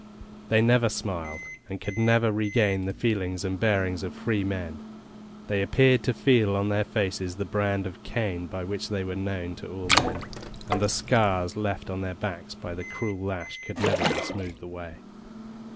They never smiled, and could never regain the feelings and bearing of free men; they appeared to feel on their faces the brand of Cain, by which they were known to all men, and the scars left on their backs by the cruel lash could never be smoothed away.